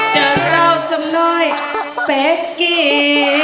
เจ้าเศร้าสำนอยเฟ็กกี้